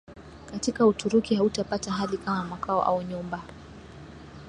Katika Uturuki hautapata hali kama makao au nyumba